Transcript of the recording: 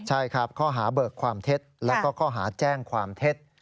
ใช่ครับข้อหาเบิกความเท็จแล้วก็ข้อหาแจ้งความเท็จ